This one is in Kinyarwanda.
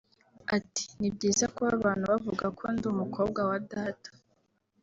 ati “Ni byiza kuba abantu bavuga ko ndi umukobwa wa Data